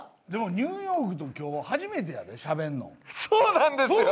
でもニューヨークと今日初めてやで、しゃべるの。